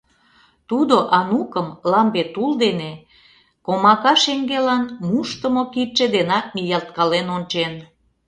Тудо Анукым лампе тул дене комака шеҥгелан мушдымо кидше денак ниялткален ончен.